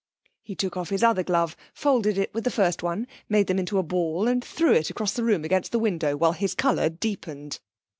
He took off his other glove, folded it with the first one, made them into a ball, and threw it across the room against the window, while his colour deepened.